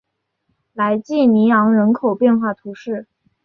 莱济尼昂人口变化图示